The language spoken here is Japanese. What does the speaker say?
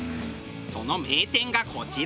その名店がこちら。